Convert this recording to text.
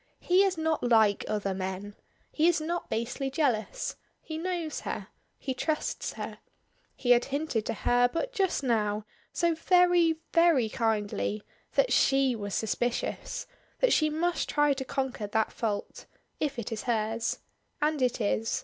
He is not like other men. He is not basely jealous. He knows her. He trusts her. He had hinted to her but just now, so very, very kindly that she was suspicious, that she must try to conquer that fault if it is hers. And it is.